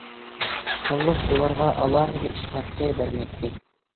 خانلىق ئۇلارغا ئالاھىدە ئىش ھەققى بەرمەيتتى.